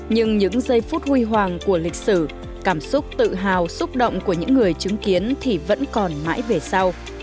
nhưng những giây phút huy hoàng của lịch sử cảm xúc tự hào xúc động của những người chứng kiến thì vẫn còn mãi về sau